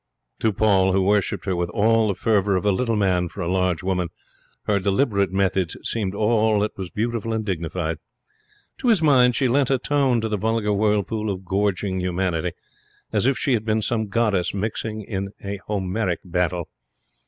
To Paul, who worshipped her with all the fervour of a little man for a large woman, her deliberate methods seemed all that was beautiful and dignified. To his mind she lent a tone to the vulgar whirlpool of gorging humanity, as if she had been some goddess mixing in a Homeric battle.